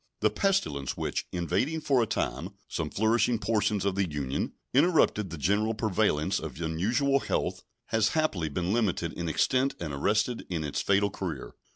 The pestilence which, invading for a time some flourishing portions of the Union, interrupted the general prevalence of unusual health has happily been limited in extent and arrested in its fatal career.